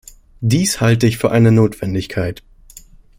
Dies halte ich für eine Notwendigkeit.